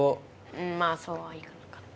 うんまあそうはいかなかった。